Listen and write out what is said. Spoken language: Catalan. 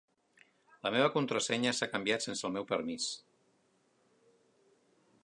La meva contrasenya s'ha canviat sense el meu permís.